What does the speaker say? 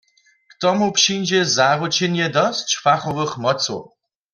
K tomu přińdźe zaručenje dosć fachowych mocow.